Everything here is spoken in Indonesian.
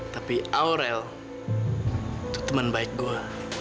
tapi aurel itu temen baik gua